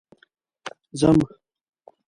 ځم